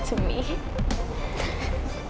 terima kasih daddy